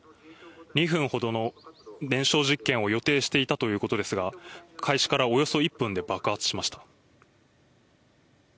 ２分ほどの燃焼実験を予定していたということですが、開始からおよそ１分で爆発しました。